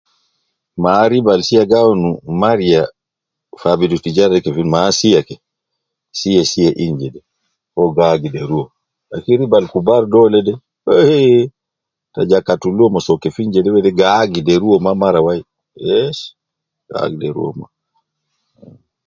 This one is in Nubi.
Ma riba al sia gi awunu mariya fi abidu tijara de kefin ,ma sia ke, sia in jede, uwo gi agder uwo, lakin riba ab kubar dole eh eh, te ja katul uwo, me soo kefin jede gi agder uwo ma mara wai yes, gi ader uwo ma